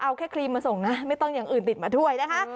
เอาแค่ครีมมาส่งนะไม่ต้องอย่างอื่นติดมาด้วยนะคะ